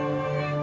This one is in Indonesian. oh ima tumbuhan gua